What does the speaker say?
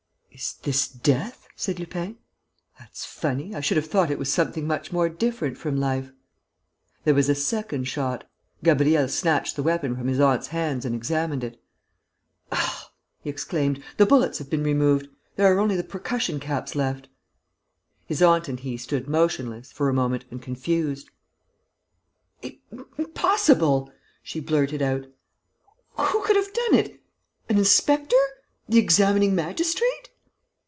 "Is this death?" said Lupin. "That's funny! I should have thought it was something much more different from life!" There was a second shot. Gabriel snatched the weapon from his aunt's hands and examined it: "Ah," he exclaimed, "the bullets have been removed!... There are only the percussion caps left!..." His aunt and he stood motionless, for a moment, and confused: "Impossible!" she blurted out. "Who could have done it?... An inspector?... The examining magistrate?..."